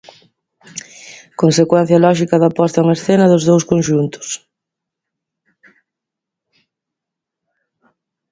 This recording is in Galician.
Consecuencia lóxica da posta en escena dos dous conxuntos.